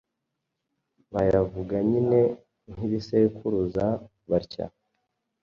bayavuga nyine nk'ibisekuruza, batya: